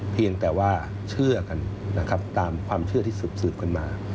เพียงแต่ว่าเชื่อกันนะครับตามความเชื่อที่สืบกันมา